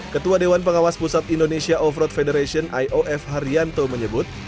ketua dewan pengawas pusat indonesia off road federation iof haryanto menyebut